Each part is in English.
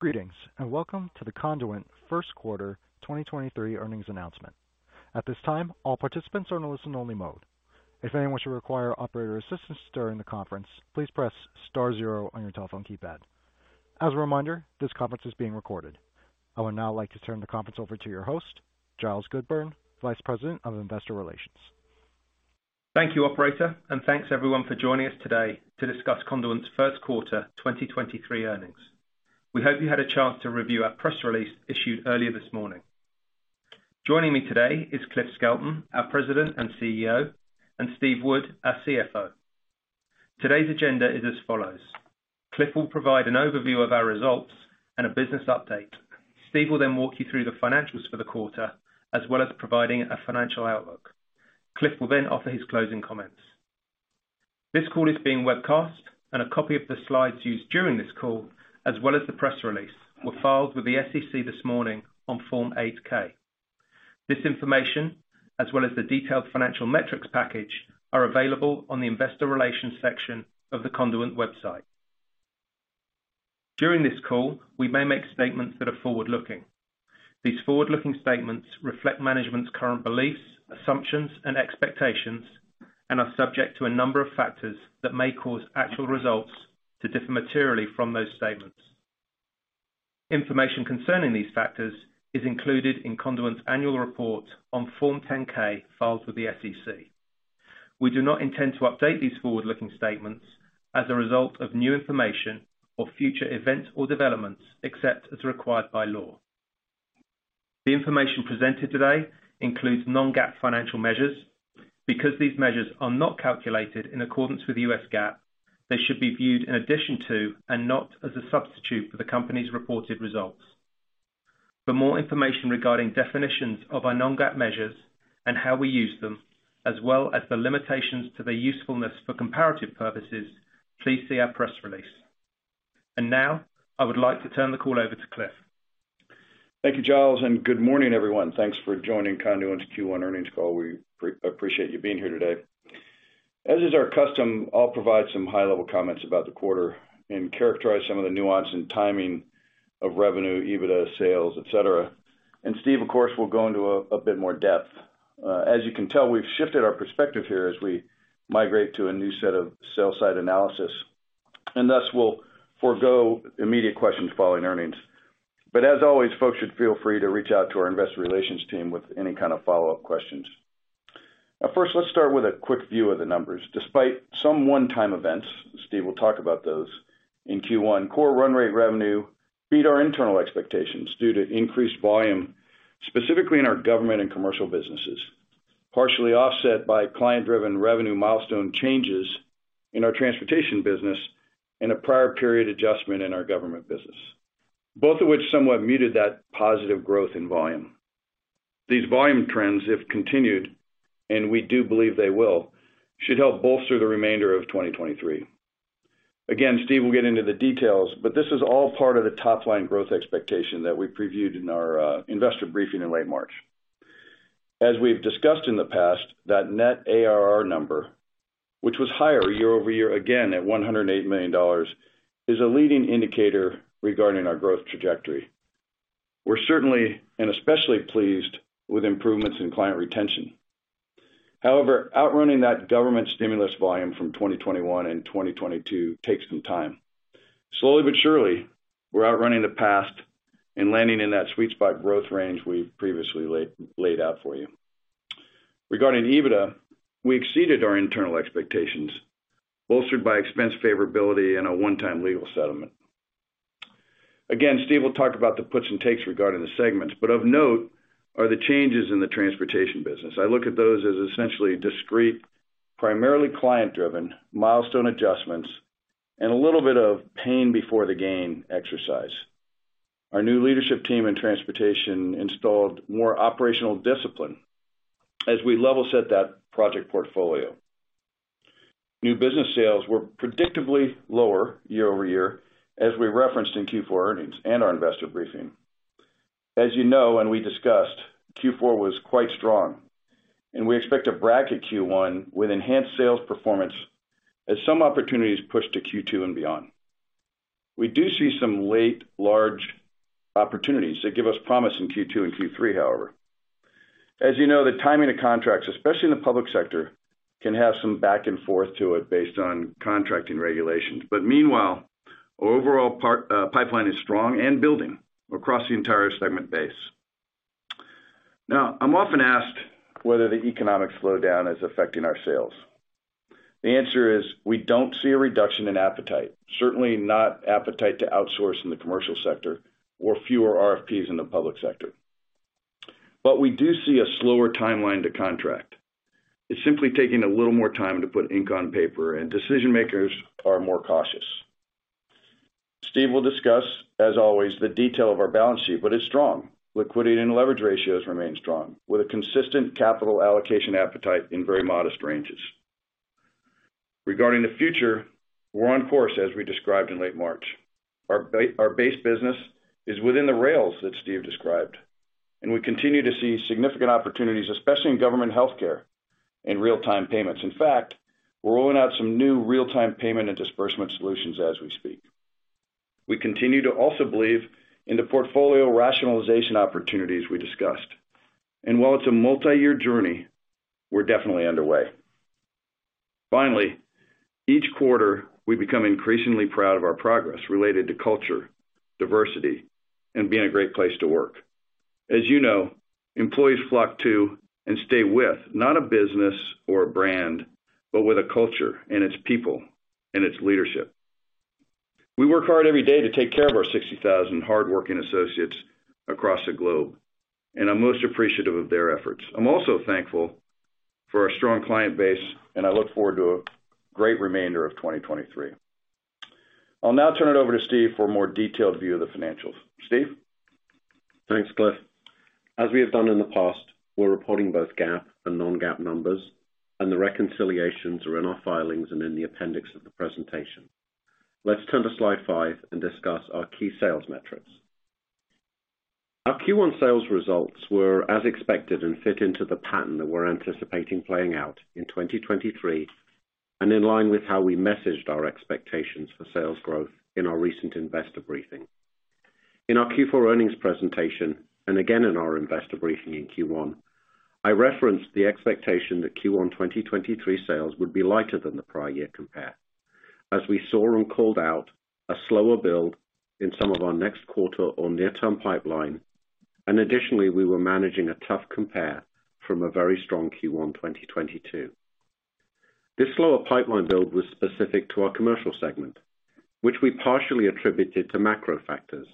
Greetings, welcome to The Conduent First Quarter 2023 Earnings Announcement. At this time, all participants are in a listen only mode. If anyone should require operator assistance during the conference, please press star zero on your telephone keypad. As a reminder, this conference is being recorded. I would now like to turn the conference over to your host, Giles Goodburn, Vice President, Investor Relations. Thank you, operator, thanks everyone for joining us today to discuss Conduent's First Quarter 2023 Earnings. We hope you had a chance to review our press release issued earlier this morning. Joining me today is Cliff Skelton, our President and CEO, and Steve Wood, our CFO. Today's agenda is as follows: Cliff will provide an overview of our results and a business update. Steve will walk you through the financials for the quarter, as well as providing a financial outlook. Cliff will offer his closing comments. This call is being webcast, a copy of the slides used during this call, as well as the press release, were filed with the SEC this morning on Form 8-K. This information, as well as the detailed financial metrics package, are available on the investor relations section of the Conduent website. During this call, we may make statements that are forward-looking. These forward-looking statements reflect management's current beliefs, assumptions, and expectations and are subject to a number of factors that may cause actual results to differ materially from those statements. Information concerning these factors is included in Conduent's annual report on Form 10-K filed with the SEC. We do not intend to update these forward-looking statements as a result of new information or future events or developments, except as required by law. The information presented today includes non-GAAP financial measures. Because these measures are not calculated in accordance with the U.S. GAAP, they should be viewed in addition to and not as a substitute for the company's reported results. For more information regarding definitions of our non-GAAP measures and how we use them, as well as the limitations to their usefulness for comparative purposes, please see our press release. Now, I would like to turn the call over to Cliff. Thank you, Giles. Good morning, everyone. Thanks for joining Conduent's Q1 Earnings Call. We appreciate you being here today. As is our custom, I'll provide some high-level comments about the quarter and characterize some of the nuance and timing of revenue, EBITDA, sales, et cetera. Steve, of course, will go into a bit more depth. As you can tell, we've shifted our perspective here as we migrate to a new set of sales side analysis, and thus we'll forgo immediate questions following earnings. As always, folks should feel free to reach out to our investor relations team with any kind of follow-up questions. Now, first, let's start with a quick view of the numbers. Despite some one-time events, Steve will talk about those, in Q1, core run rate revenue beat our internal expectations due to increased volume, specifically in our government and commercial businesses, partially offset by client-driven revenue milestone changes in our transportation business and a prior period adjustment in our government business, both of which somewhat muted that positive growth in volume. These volume trends, if continued, and we do believe they will, should help bolster the remainder of 2023. Steve will get into the details, but this is all part of the top line growth expectation that we previewed in our investor briefing in late March. As we've discussed in the past, that Net ARR number, which was higher year-over-year again at $108 million, is a leading indicator regarding our growth trajectory. We're certainly and especially pleased with improvements in client retention. Outrunning that government stimulus volume from 2021 and 2022 takes some time. Slowly but surely, we're outrunning the past and landing in that sweet spot growth range we previously laid out for you. Regarding EBITDA, we exceeded our internal expectations, bolstered by expense favorability and a one-time legal settlement. Steve will talk about the puts and takes regarding the segments, but of note are the changes in the transportation business. I look at those as essentially discrete, primarily client-driven milestone adjustments and a little bit of pain before the gain exercise. Our new leadership team in transportation installed more operational discipline as we level set that project portfolio. New business sales were predictably lower year-over-year, as we referenced in Q4 earnings and our investor briefing. As you know and we discussed, Q4 was quite strong, and we expect to bracket Q1 with enhanced sales performance as some opportunities push to Q2 and beyond. We do see some late large opportunities that give us promise in Q2 and Q3, however. As you know, the timing of contracts, especially in the public sector, can have some back and forth to it based on contracting regulations. Meanwhile, overall pipeline is strong and building across the entire segment base. Now, I'm often asked whether the economic slowdown is affecting our sales. The answer is we don't see a reduction in appetite, certainly not appetite to outsource in the commercial sector or fewer RFPs in the public sector. We do see a slower timeline to contract. It's simply taking a little more time to put ink on paper, and decision-makers are more cautious. Steve will discuss, as always, the detail of our balance sheet, but it's strong. Liquidity and leverage ratios remain strong, with a consistent capital allocation appetite in very modest ranges. Regarding the future, we're on course as we described in late March. Our base business is within the rails that Steve described, and we continue to see significant opportunities, especially in government healthcare in Real-Time Payments. In fact, we're rolling out some new real-time payment and disbursement solutions as we speak. We continue to also believe in the portfolio rationalization opportunities we discussed. While it's a multi-year journey, we're definitely underway. Finally, each quarter, we become increasingly proud of our progress related to culture, diversity, and being a great place to work. As you know, employees flock to and stay with not a business or a brand, but with a culture and its people and its leadership. We work hard every day to take care of our 60,000 hardworking associates across the globe, and I'm most appreciative of their efforts. I'm also thankful for our strong client base, and I look forward to a great remainder of 2023. I'll now turn it over to Steve for a more detailed view of the financials. Steve? Thanks, Cliff. As we have done in the past, we're reporting both GAAP and non-GAAP numbers. The reconciliations are in our filings and in the appendix of the presentation. Let's turn to slide five and discuss our key sales metrics. Our Q1 sales results were as expected and fit into the pattern that we're anticipating playing out in 2023 and in line with how we messaged our expectations for sales growth in our recent investor briefing. In our Q4 earnings presentation, again in our investor briefing in Q1, I referenced the expectation that Q1 2023 sales would be lighter than the prior year compare as we saw and called out a slower build in some of our next quarter or near-term pipeline. Additionally, we were managing a tough compare from a very strong Q1 2022. This slower pipeline build was specific to our commercial segment, which we partially attributed to macro factors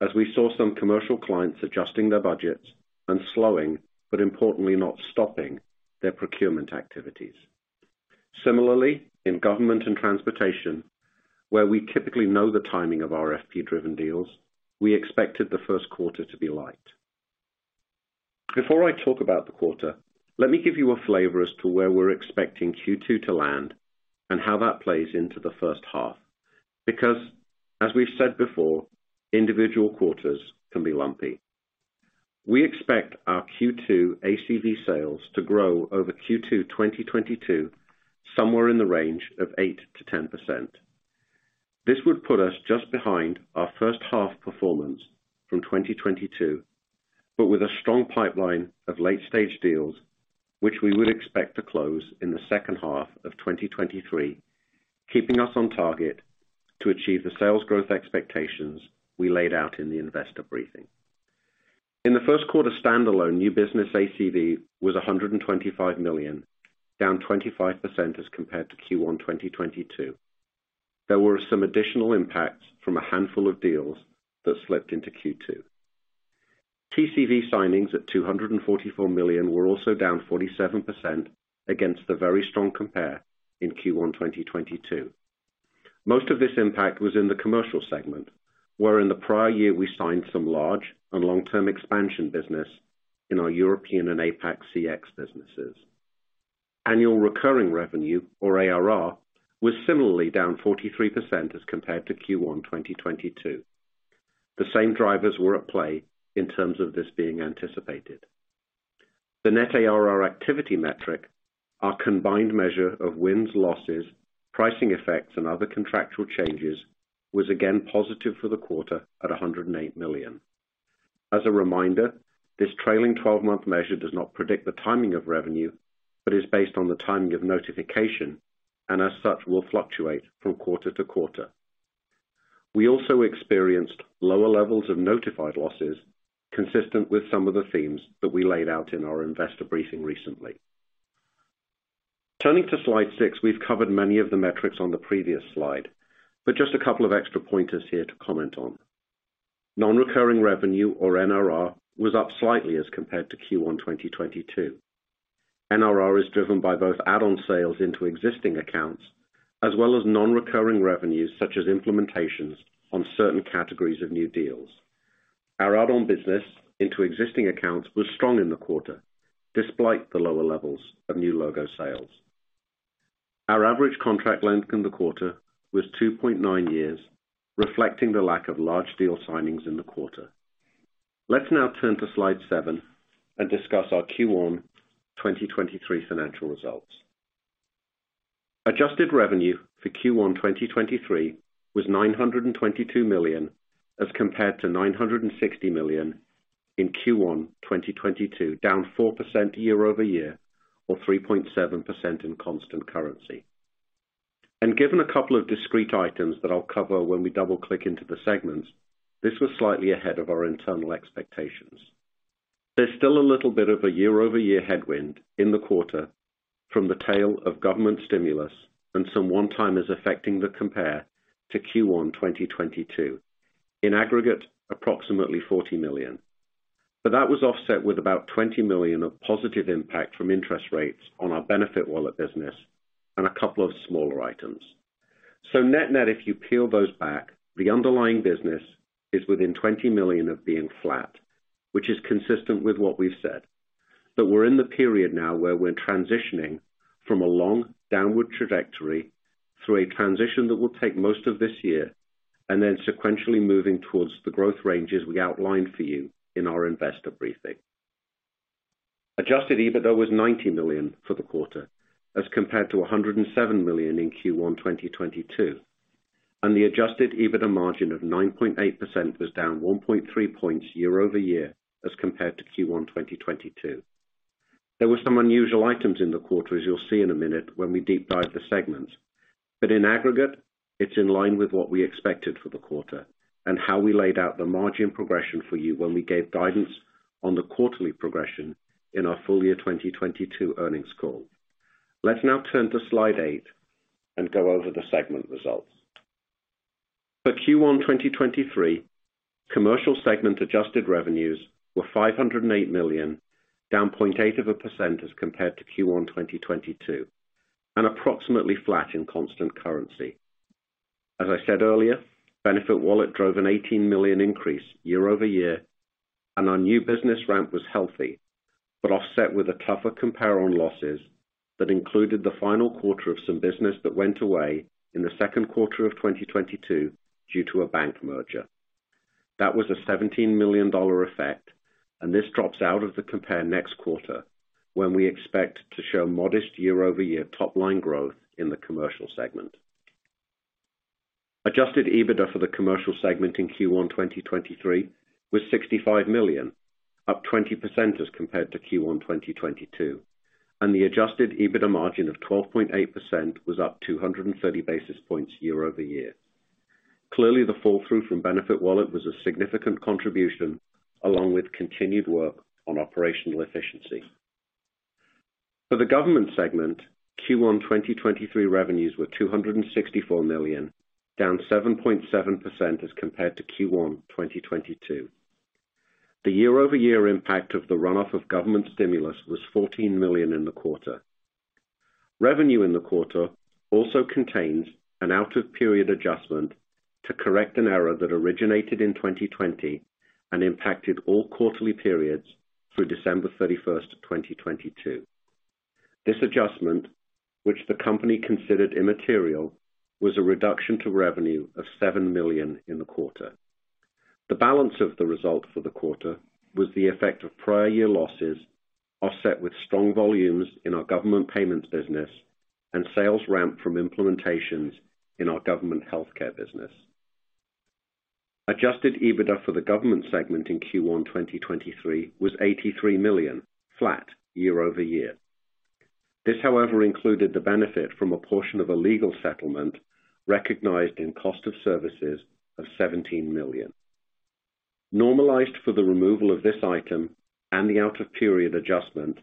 as we saw some commercial clients adjusting their budgets and slowing, but importantly not stopping their procurement activities. Similarly, in government and transportation, where we typically know the timing of our RFP-driven deals, we expected the first quarter to be light. Before I talk about the quarter, let me give you a flavor as to where we're expecting Q2 to land and how that plays into the first half. As we've said before, individual quarters can be lumpy. We expect our Q2 ACV sales to grow over Q2 2022, somewhere in the range of 8%-10%. This would put us just behind our first half performance from 2022, with a strong pipeline of late-stage deals, which we would expect to close in the second half of 2023, keeping us on target to achieve the sales growth expectations we laid out in the investor briefing. In the first quarter, standalone new business ACV was $125 million, down 25% as compared to Q1 2022. There were some additional impacts from a handful of deals that slipped into Q2. TCV signings at $244 million were also down 47% against the very strong compare in Q1 2022. Most of this impact was in the commercial segment, where in the prior year, we signed some large and long-term expansion business in our European and APAC CX businesses. Annual recurring revenue, or ARR, was similarly down 43% as compared to Q1 2022. The same drivers were at play in terms of this being anticipated. The Net ARR Activity Metric, our combined measure of wins, losses, pricing effects, and other contractual changes, was again positive for the quarter at $108 million. As a reminder, this trailing 12-month measure does not predict the timing of revenue, but is based on the timing of notification, and as such, will fluctuate from quarter to quarter. We also experienced lower levels of notified losses, consistent with some of the themes that we laid out in our investor briefing recently. Turning to slide six, we've covered many of the metrics on the previous slide, but just a couple of extra pointers here to comment on. Non-recurring revenue, or NRR, was up slightly as compared to Q1 2022. NRR is driven by both add-on sales into existing accounts, as well as non-recurring revenues, such as implementations on certain categories of new deals. Our add-on business into existing accounts was strong in the quarter, despite the lower levels of new logo sales. Our average contract length in the quarter was 2.9 years, reflecting the lack of large deal signings in the quarter. Let's now turn to slide seven and discuss our Q1 2023 financial results. Adjusted Revenue for Q1 2023 was $922 million as compared to $960 million in Q1 2022, down 4% year-over-year or 3.7% in constant currency. Given a couple of discrete items that I'll cover when we double-click into the segments, this was slightly ahead of our internal expectations. There's still a little bit of a year-over-year headwind in the quarter from the tail of government stimulus and some one-timers affecting the compare to Q1 2022. In aggregate, approximately $40 million. That was offset with about $20 million of positive impact from interest rates on our BenefitWallet business and a couple of smaller items. Net-net, if you peel those back, the underlying business is within $20 million of being flat, which is consistent with what we've said. We're in the period now where we're transitioning from a long downward trajectory through a transition that will take most of this year. Sequentially moving towards the growth ranges we outlined for you in our investor briefing. Adjusted EBITDA was $90 million for the quarter as compared to $107 million in Q1 2022. The Adjusted EBITDA Margin of 9.8% was down 1.3 points year-over-year as compared to Q1 2022. There were some unusual items in the quarter, as you'll see in a minute when we deep dive the segments. In aggregate, it's in line with what we expected for the quarter and how we laid out the margin progression for you when we gave guidance on the quarterly progression in our full year 2022 earnings call. Let's now turn to slide eight and go over the segment results. For Q1 2023, commercial segment Adjusted Revenue were $508 million, down 0.8% as compared to Q1 2022, and approximately flat in constant currency. As I said earlier, BenefitWallet drove an $18 million increase year-over-year, and our new business ramp was healthy, but offset with a tougher compare on losses that included the final quarter of some business that went away in the second quarter of 2022 due to a bank merger. That was a $17 million effect. This drops out of the compare next quarter when we expect to show modest year-over-year top line growth in the commercial segment. Adjusted EBITDA for the commercial segment in Q1 2023 was $65 million, up 20% as compared to Q1 2022. The Adjusted EBITDA Margin of 12.8% was up 230 basis points year-over-year. Clearly, the fall through from BenefitWallet was a significant contribution, along with continued work on operational efficiency. For the government segment, Q1 2023 revenues were $264 million, down 7.7% as compared to Q1 2022. The year-over-year impact of the runoff of government stimulus was $14 million in the quarter. Revenue in the quarter also contains an out of period adjustment to correct an error that originated in 2020 and impacted all quarterly periods through December 31, 2022. This adjustment, which the company considered immaterial, was a reduction to revenue of $7 million in the quarter. The balance of the result for the quarter was the effect of prior year losses offset with strong volumes in our government payments business and sales ramp from implementations in our government healthcare business. Adjusted EBITDA for the government segment in Q1 2023 was $83 million, flat year-over-year. This, however, included the benefit from a portion of a legal settlement recognized in cost of services of $17 million. Normalized for the removal of this item and the out of period adjustment,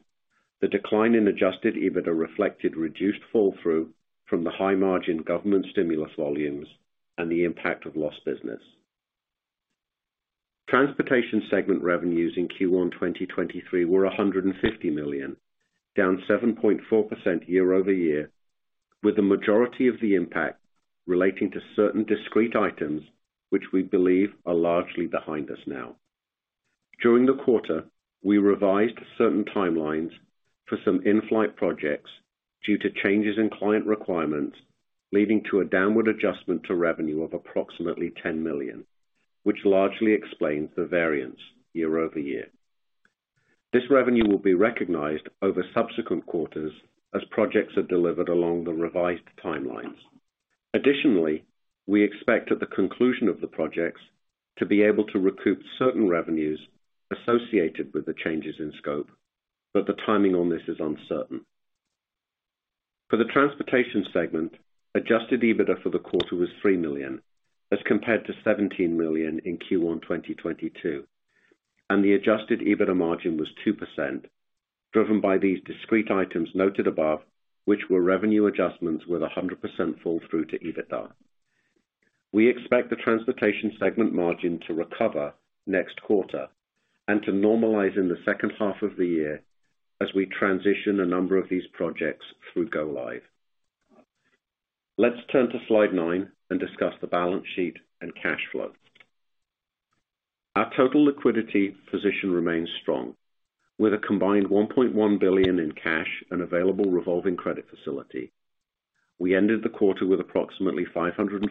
the decline in Adjusted EBITDA reflected reduced fall through from the high margin government stimulus volumes and the impact of lost business. Transportation segment revenues in Q1 2023 were $150 million, down 7.4% year-over-year, with the majority of the impact relating to certain discrete items which we believe are largely behind us now. During the quarter, we revised certain timelines for some in-flight projects due to changes in client requirements, leading to a downward adjustment to revenue of approximately $10 million, which largely explains the variance year-over-year. This revenue will be recognized over subsequent quarters as projects are delivered along the revised timelines. We expect at the conclusion of the projects to be able to recoup certain revenues associated with the changes in scope, but the timing on this is uncertain. For the transportation segment, Adjusted EBITDA for the quarter was $3 million, as compared to $17 million in Q1 2022, and the Adjusted EBITDA Margin was 2%, driven by these discrete items noted above, which were revenue adjustments with 100% fall through to EBITDA. We expect the transportation segment margin to recover next quarter and to normalize in the second half of the year as we transition a number of these projects through go live. Let's turn to slide nine and discuss the balance sheet and cash flow. Our total liquidity position remains strong with a combined $1.1 billion in cash and available revolving credit facility. We ended the quarter with approximately $547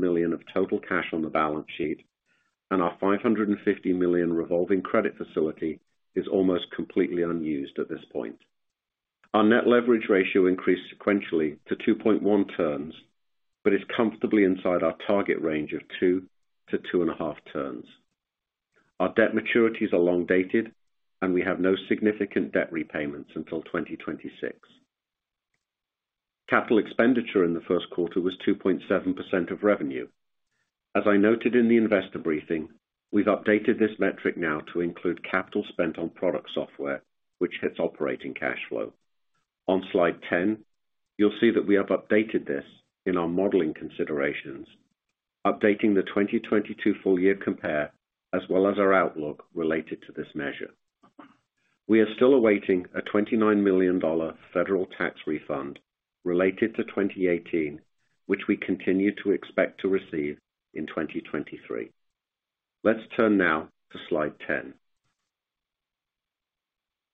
million of total cash on the balance sheet, and our $550 million revolving credit facility is almost completely unused at this point. Our net leverage ratio increased sequentially to 2.1 turns, but is comfortably inside our target range of 2-2.5 turns. Our debt maturities are long dated and we have no significant debt repayments until 2026. Capital expenditure in the first quarter was 2.7% of revenue. As I noted in the investor briefing, we've updated this metric now to include capital spent on product software which hits operating cash flow. On slide 10, you'll see that we have updated this in our modeling considerations, updating the 2022 full year compare as well as our outlook related to this measure. We are still awaiting a $29 million federal tax refund related to 2018, which we continue to expect to receive in 2023. Let's turn now to slide 10.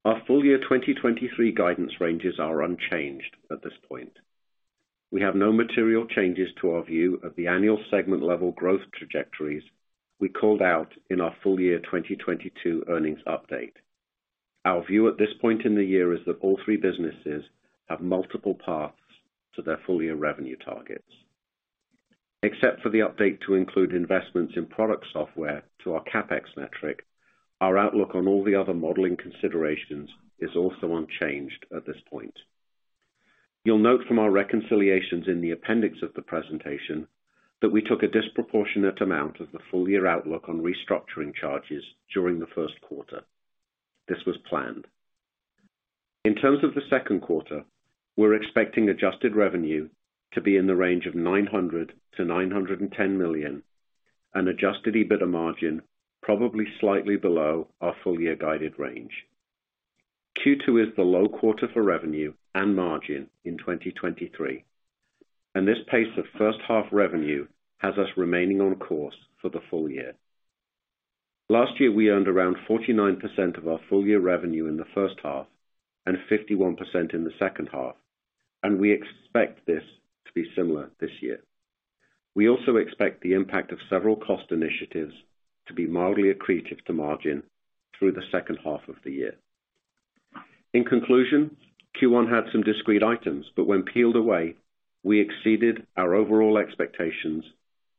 Our full year 2023 guidance ranges are unchanged at this point. We have no material changes to our view of the annual segment level growth trajectories we called out in our full year 2022 earnings update. Our view at this point in the year is that all three businesses have multiple paths to their full year revenue targets. Except for the update to include investments in product software to our CapEx metric, our outlook on all the other modeling considerations is also unchanged at this point. You'll note from our reconciliations in the appendix of the presentation that we took a disproportionate amount of the full year outlook on restructuring charges during the first quarter. This was planned. In terms of the second quarter, we're expecting Adjusted Revenue to be in the range of $900 million-$910 million, and Adjusted EBITDA Margin probably slightly below our full year guided range. Q2 is the low quarter for revenue and margin in 2023, and this pace of first half revenue has us remaining on course for the full year. Last year, we earned around 49% of our full year revenue in the first half and 51% in the second half, and we expect this to be similar this year. We also expect the impact of several cost initiatives to be mildly accretive to margin through the second half of the year. In conclusion, Q1 had some discrete items, but when peeled away, we exceeded our overall expectations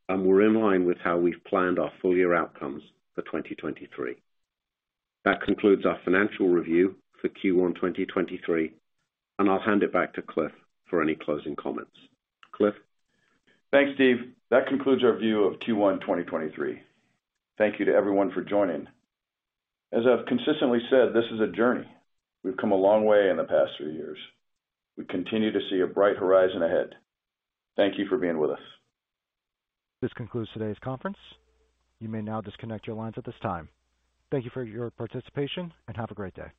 and we're in line with how we've planned our full year outcomes for 2023. That concludes our financial review for Q1 2023, I'll hand it back to Cliff for any closing comments. Cliff? Thanks, Steve. That concludes our view of Q1 2023. Thank you to everyone for joining. As I've consistently said, this is a journey. We've come a long way in the past three years. We continue to see a bright horizon ahead. Thank you for being with us. This concludes today's conference. You may now disconnect your lines at this time. Thank you for your participation, and have a great day.